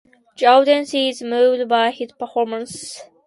The audience is moved by his performance.